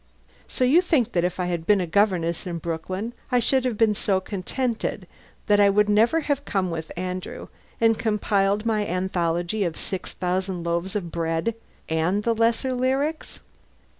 "So you think that if I had been a governess in Brooklyn I should have been so contented that I would never have come with Andrew and compiled my anthology of 6,000 loaves of bread and the lesser lyrics?"